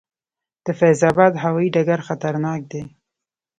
د فیض اباد هوايي ډګر خطرناک دی؟